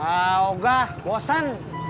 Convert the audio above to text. ah enggak bosan